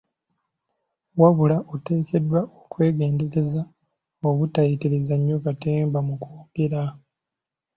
Wabula oteekeddwa okwegendereza obutayitiriza nnyo katemba mu kwogera.